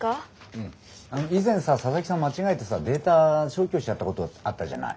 うんあの以前さ佐々木さん間違えてさデータ消去しちゃったことあったじゃない。